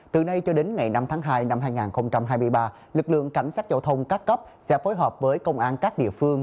từ nay cho đến ngày năm tháng hai năm hai nghìn hai mươi ba lực lượng cảnh sát giao thông các cấp sẽ phối hợp với công an các địa phương